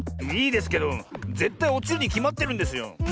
いいですけどぜったいおちるにきまってるんですよ。